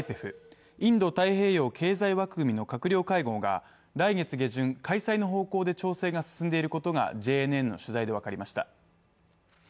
ＩＰＥＦ＝インド太平洋経済枠組みの閣僚会合が来月下旬、開催の方向で調整が進んでいることがＪＮＮの取材で分かりました。